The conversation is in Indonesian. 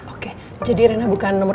oke jadi rena bukan nomor